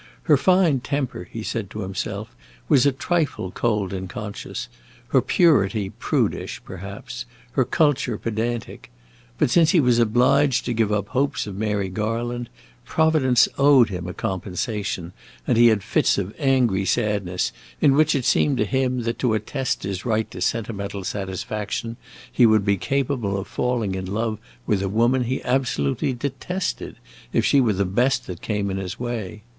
Her fine temper, he said to himself, was a trifle cold and conscious, her purity prudish, perhaps, her culture pedantic. But since he was obliged to give up hopes of Mary Garland, Providence owed him a compensation, and he had fits of angry sadness in which it seemed to him that to attest his right to sentimental satisfaction he would be capable of falling in love with a woman he absolutely detested, if she were the best that came in his way.